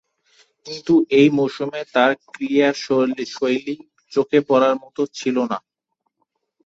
কিন্তু ঐ মৌসুমে তার ক্রীড়াশৈলী চোখে পড়ার মতো ছিল না।